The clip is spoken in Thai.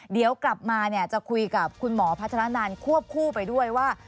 เดี๋ยวกลับมาจะคุยกับคุณหมอพัฒนานันควบคู่ไปด้วยว่า